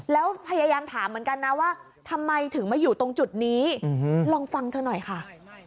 แล้วพยายามถามเหมือนกันนะว่าทำไมถึงมาอยู่ตรงจุดนี้ลองฟังเธอหน่อยค่ะ